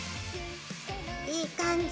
いい感じ！